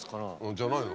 じゃないの？